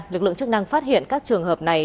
lực lượng chức năng phát hiện các trường hợp này